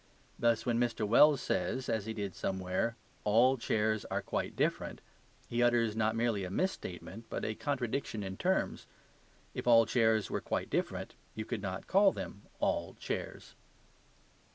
Thus when Mr. Wells says (as he did somewhere), "All chairs are quite different," he utters not merely a misstatement, but a contradiction in terms. If all chairs were quite different, you could not call them "all chairs."